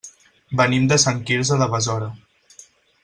Venim de Sant Quirze de Besora.